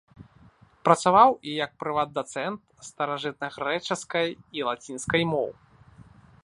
Працаваў і як прыват-дацэнт старажытнагрэчаскай і лацінскай моў.